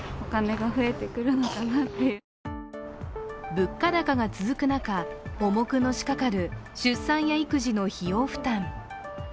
物価高が続く中、重くのしかかる出産や育児の費用負担。